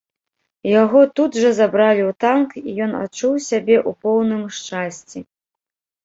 Яго тут жа забралі ў танк, і ён адчуў сябе ў поўным шчасці.